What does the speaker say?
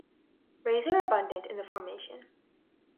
Rays are abundant in the formation.